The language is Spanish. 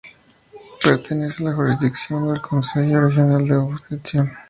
Pertenece a la jurisdicción del Consejo Regional de Gush Etzion.